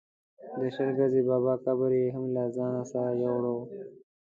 د شل ګزي بابا قبر یې هم له ځانه سره یووړ.